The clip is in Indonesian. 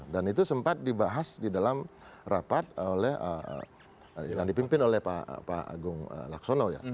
dan itu sempat dibahas di dalam rapat yang dipimpin oleh pak agung laksono